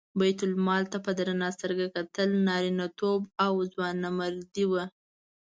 بیت المال ته په درنه سترګه کتل نارینتوب او ځوانمردي وه.